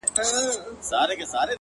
موږه يې ښه وايو پر موږه خو ډير گران دی .